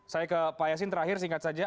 saya ke pak yasin terakhir singkat saja